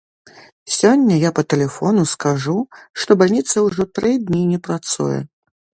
Сёння я па тэлефону скажу, што бальніца ўжо тры дні не працуе!